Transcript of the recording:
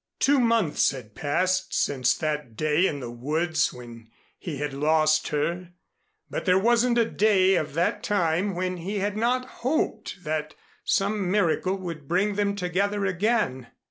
Two months had passed since that day in the woods when he had lost her, but there wasn't a day of that time when he had not hoped that some miracle would bring them together again.